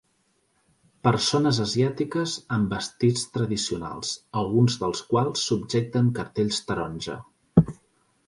Persones asiàtiques amb vestits tradicionals, alguns dels quals subjecten cartells taronja.